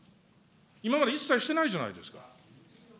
今まで一切してないじゃないですか。